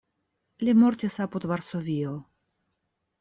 Li mortis apud Varsovio.